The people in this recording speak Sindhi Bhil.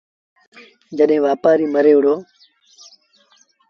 جڏهيݩ وآپآريٚ مري وهُڙو